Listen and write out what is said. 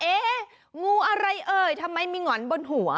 เอ๊ะงูอะไรเอ่ยทำไมมีหงอนบนหัว